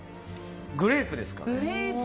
グレープですか。